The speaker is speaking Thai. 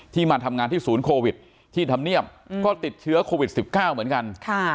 มาทำงานที่ศูนย์โควิดที่ทำเนียบก็ติดเชื้อโควิด๑๙เหมือนกัน